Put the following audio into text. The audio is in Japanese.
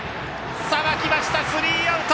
さばきました、スリーアウト。